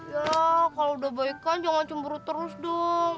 ya kalau udah baikkan jangan cemburu terus dong